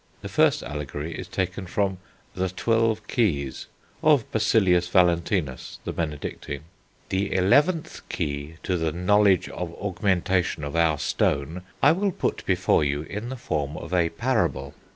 The first allegory is taken from The Twelve Keys, of Basilius Valentinus, the Benedictine: "The eleventh key to the knowledge of the augmentation of our Stone I will put before you in the form of a parable.